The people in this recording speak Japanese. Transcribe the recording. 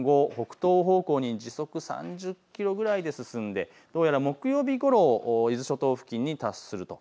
今後、北東方向に時速３０キロぐらいで進んで木曜日ごろ伊豆諸島付近に達すると。